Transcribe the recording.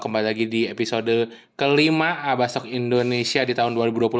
kembali lagi di episode kelima abasok indonesia di tahun dua ribu dua puluh satu